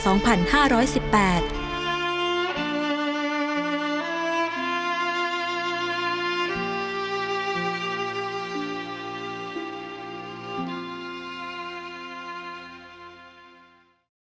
โปรดติดตามตอนต่อไป